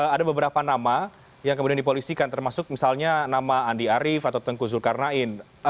ada beberapa nama yang kemudian dipolisikan termasuk misalnya nama andi arief atau tengku zulkarnain